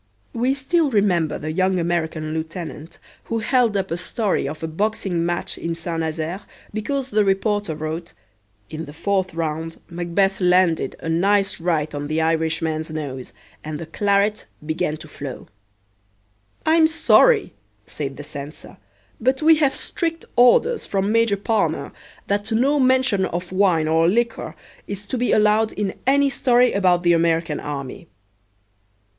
We still remember the young American lieutenant who held up a story of a boxing match in Saint Nazaire because the reporter wrote, "In the fourth round MacBeth landed a nice right on the Irishman's nose and the claret began to flow." "I'm sorry," said the censor, "but we have strict orders from Major Palmer that no mention of wine or liquor is to be allowed in any story about the American army."